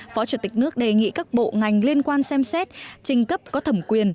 phó chủ tịch nước đề nghị các bộ ngành liên quan xem xét trình cấp có thẩm quyền